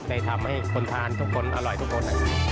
ได้ทำให้คนทานทุกคนอร่อยทุกคน